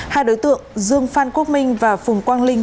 hai đối tượng dương phan quốc minh và phùng quang linh